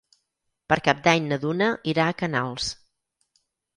Per Cap d'Any na Duna irà a Canals.